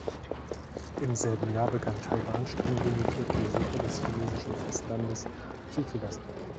Im selben Jahr begann Taiwan streng limitierte Besuche des chinesischen Festlandes zuzulassen.